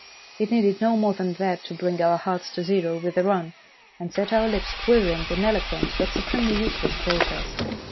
" It needed no more than that to bring our hearts to zero with a run, and set our lips quivering in eloquent but supremely useless protest.